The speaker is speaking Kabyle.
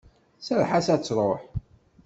Serreḥ-as ad truḥ!